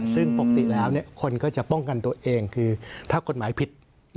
ซึ่งปกติแล้วคนก็จะป้องกันตัวเองคือถ้ากฎหมายผิด